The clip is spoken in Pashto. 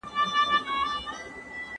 ¬ د ډېر گران پوښتنه يا اول کېږي يا اخير.